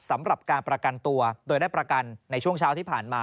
สำหรับการประกันตัวโดยได้ประกันในช่วงเช้าที่ผ่านมา